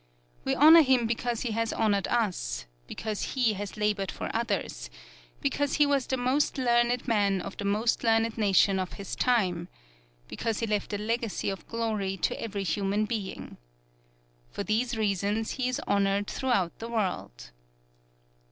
We honor him because he has honored us because he has labored for others because he was the most learned man of the most learned nation of his time because he left a legacy of glory to every human being. For these reasons he is honored throughout the world.